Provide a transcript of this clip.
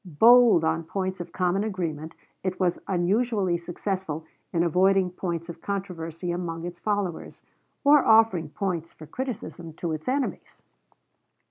Bold on points of common agreement, it was unusually successful in avoiding points of controversy among its followers, or offering points for criticism to its enemies.